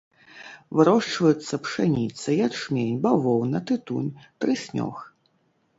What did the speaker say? Вырошчваюцца пшаніца, ячмень, бавоўна, тытунь, трыснёг.